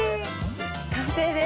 完成です。